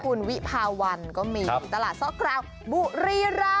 คุณวิภาวันก็มีตลาดซ่อคราวบุรีราม